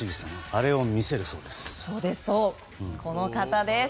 あれを見せるそうです。